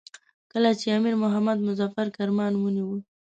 کله چې امیر محمد مظفر کرمان ونیوی.